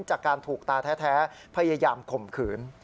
จากการถูกตาแท้พยายามข่มขืน